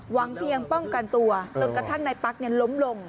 เพียงป้องกันตัวจนกระทั่งนายปั๊กล้มลง